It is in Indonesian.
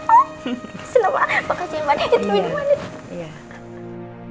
oh makasih mbak